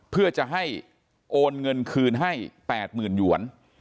เพื่อจะให้โอนเงินคืนให้๘๐๐๐หยวน